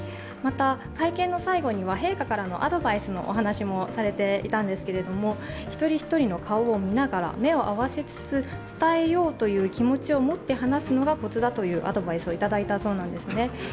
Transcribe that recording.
また会見の最後には陛下からのアドバイスのお話もされていたんですけど一人一人の顔を見ながら、目を合わせつつ伝えようという気持ちを持って話すのがこつだというアドバイスをいただいたそうなんですね。